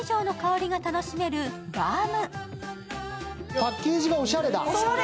パッケージがおしゃれだ。